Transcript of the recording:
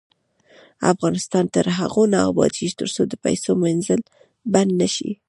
افغانستان تر هغو نه ابادیږي، ترڅو د پیسو مینځل بند نشي.